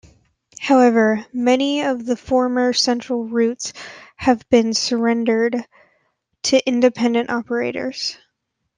However, many of the former Central routes have been surrendered to independent operators.